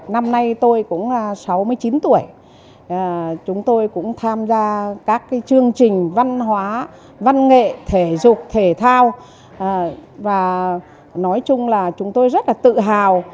năm nay tôi cũng sáu mươi chín tuổi chúng tôi cũng tham gia các chương trình văn hóa văn nghệ thể dục thể thao và nói chung là chúng tôi rất là tự hào